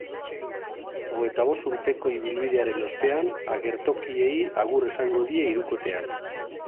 Hogeita bost urteko ibilbidearen ostean, agertokiei agur esango die hirukoteak.